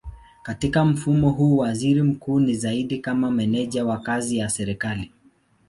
Katika mfumo huu waziri mkuu ni zaidi kama meneja wa kazi ya serikali.